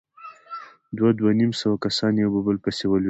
دوه، دوه نيم سوه کسان يو په بل پسې ولوېدل.